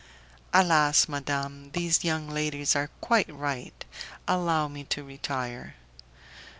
"Alas! madame, these young ladies are quite right. Allow me to retire."